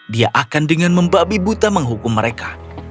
dia akan dengan membabi buta menghukum mereka